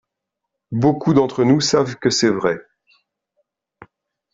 Beaucoup d’entre nous savent que c’est vrai.